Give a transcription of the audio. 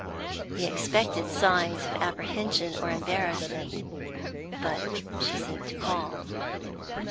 He expected signs of apprehension or embarrassment, but she seemed calm.